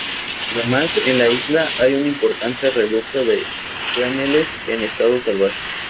Además, en la isla hay un importante reducto de huemules en estado salvaje.